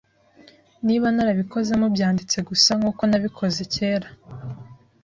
niba narabikoze mubyanditse gusa nkuko nabikoze kera